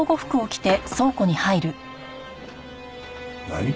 何！？